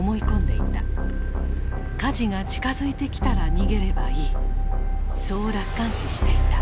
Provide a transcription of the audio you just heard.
火事が近づいてきたら逃げればいいそう楽観視していた。